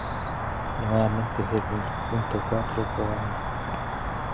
Migrants moving among the patches are structured into metapopulations either as sources or sinks.